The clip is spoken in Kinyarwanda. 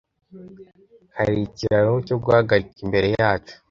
Hari ikiraro cyo guhagarika imbere yacu.